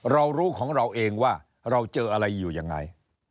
เรารู้ของเราเองว่าเราเจออะไรอยู่ยังไง